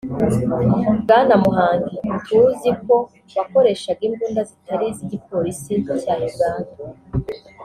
“Bwana Muhangi tuzi ko wakoreshaga imbunda zitari iz’igipolisi cya Uganda